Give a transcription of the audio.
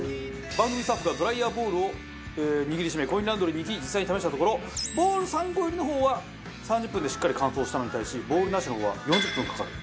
番組スタッフがドライヤーボールを握り締めコインランドリーに行き実際に試したところボール３個入りの方は３０分でしっかり乾燥したのに対しボールなしの方は４０分かかる。